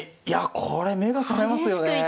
いやこれ目が覚めますよね。